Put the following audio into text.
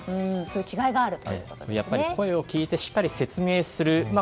声を聞いて、しっかり説明する。